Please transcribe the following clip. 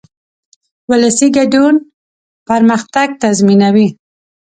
ولسي ګډون پرمختګ تضمینوي.